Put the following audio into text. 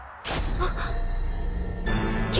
あっ。